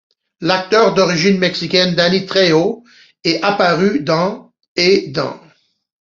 L'acteur d'origine mexicaine Danny Trejo est apparu dans ' et dans '.